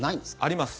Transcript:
あります。